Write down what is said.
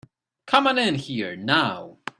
Come on in here now.